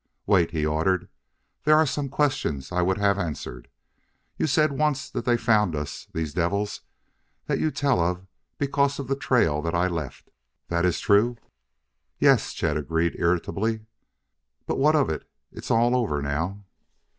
"Wait!" he ordered. "There are some questions I would have answered. You said once that they found us these devils that you tell of because of the trail that I left. That is true?" "Yes," Chet agreed irritably, "but what of it? It's all over now."